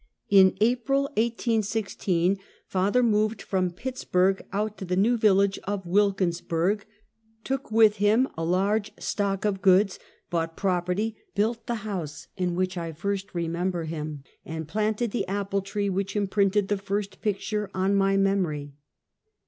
In Aj^ril, 1816, father moved from Pittsburg out to the new village of Wilkinsburg; took with him a large stock of goods, bought property, built the house in which I first remember him, and planted the apple tree which imprinted the first picture on my memory.